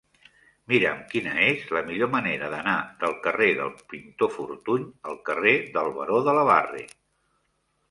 Mira'm quina és la millor manera d'anar del carrer del Pintor Fortuny al carrer del Baró de la Barre.